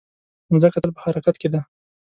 مځکه تل په حرکت کې ده.